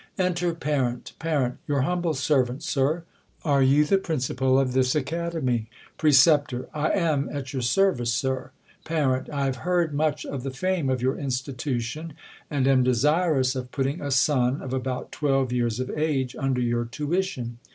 Enter Parent. Parent. Your humble servant, Sir; are you the principal of this Academy ? Precep, I am, at your service, Sir. Par. I have heard much of the fame of your insti tution, and am desirous of putting a son, of about twelve years of age, under your tuition.